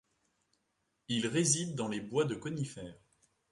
Il réside dans les bois de conifères.